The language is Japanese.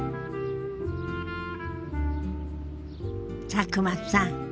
佐久間さん